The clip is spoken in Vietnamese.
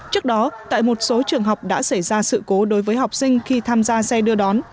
trước đó tại một số trường học đã xảy ra sự cố đối với học sinh khi tham gia xe đưa đón